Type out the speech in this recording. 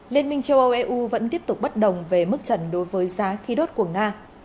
liên minh châu âu eu vẫn tiếp tục bất đồng về mức trần đối với giá khí đốt của nga